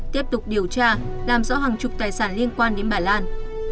tiếp tục điều tra làm rõ hàng chục tài sản liên quan đến bà lan